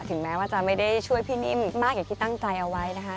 แม้ว่าจะไม่ได้ช่วยพี่นิ่มมากอย่างที่ตั้งใจเอาไว้นะคะ